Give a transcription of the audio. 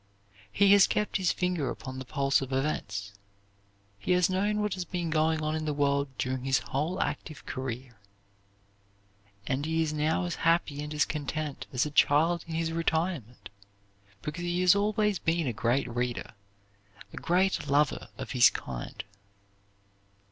He has kept his finger upon the pulse of events. He has known what has been going on in the world during his whole active career. And he is now as happy and as contented as a child in his retirement, because he has always been a great reader, a great lover of his kind.